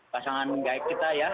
pasangan kita ya